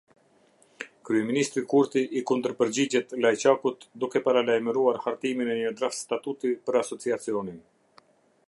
Kryeministri Kurti i kundërpërgjigjet Lajçakut, duke paralajmëruar hartimin e një draft-statuti për Asociacionin.